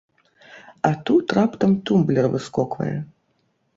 А тут раптам тумблер выскоквае.